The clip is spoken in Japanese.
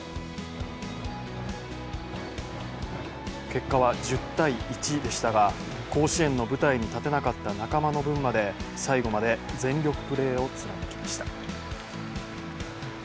結果は１０−１でしたが、甲子園の舞台に立てなかった仲間の分まで最後まで全力プレーを貫きました。